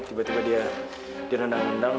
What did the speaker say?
tiba tiba dia direndang undang